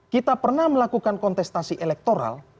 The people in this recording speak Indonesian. kita pernah melakukan kontestasi elektoral